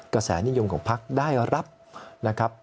กระแสนิยมของพักได้รับนะครับ